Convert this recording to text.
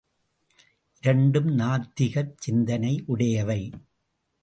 இரண்டும் நாத்திகச் சிந்தனை உடையவை.